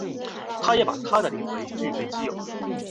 他也把她的灵魂据为己有。